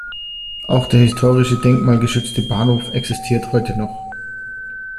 Auch der historische denkmalgeschützte Bahnhof existiert heute noch.